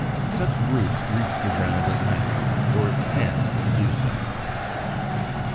Such roots reach the ground at length, or tend to do so.